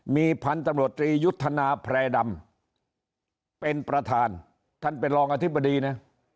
มีพันธุ์ตำรวจตรียุทธนาแพร่ดำเป็นประธานท่านเป็นรองอธิบดีนะ